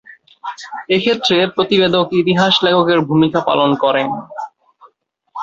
এ ক্ষেত্রে প্রতিবেদক ইতিহাস লেখকের ভূমিকা পালন করেন।